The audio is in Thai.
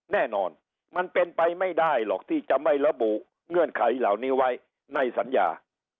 แน่นอนมันเป็นไปไม่ได้หรอกที่จะไม่ระบุเงื่อนไขเหล่านี้ไว้ในสัญญา